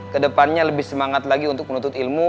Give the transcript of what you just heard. kedepannya lebih semangat lagi untuk menuntut ilmu